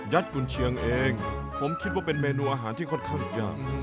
กุญเชียงเองผมคิดว่าเป็นเมนูอาหารที่ค่อนข้างยาก